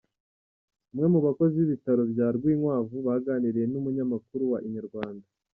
Umwe mu bakozi b’ibitaro bya Rwinkwavu baganiriye n’umunyamakuru wa Inyarwanda.